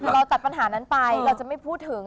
เราตัดปัญหานั้นไปเราจะไม่พูดถึง